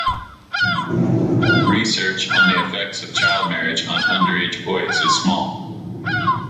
Research on the effects of child marriage on underage boys is small.